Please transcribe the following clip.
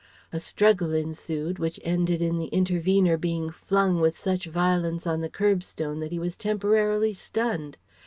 A struggle ensued which ended in the intervener being flung with such violence on the kerb stone that he was temporarily stunned.